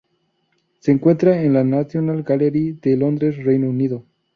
Se encuentra en la National Gallery de Londres, Reino Unido.